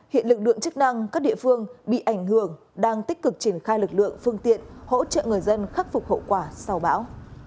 hiện lực lượng chức năng các địa phương bị ảnh hưởng đang tích cực triển khai lực lượng phương tiện hỗ trợ người dân khắc phục hậu quả sau bão